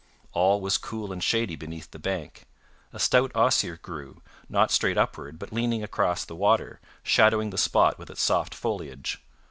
All was cool and shady beneath the bank. A stout osier grew, not straight upward, but leaning across the water, shadowing the spot with its soft foliage.